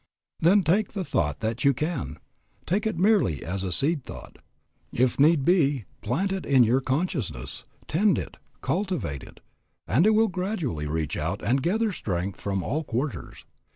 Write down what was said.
Then take the thought that you can; take it merely as a seed thought, if need be, plant it in your consciousness, tend it, cultivate it, and it will gradually reach out and gather strength from all quarters.